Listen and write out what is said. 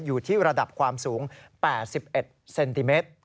อยู่ที่ระดับความสูง๘๑เซนติเมตร